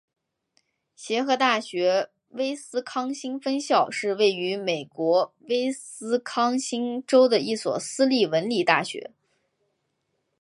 协和大学威斯康辛分校是位于美国威斯康辛州的一所私立文理大学。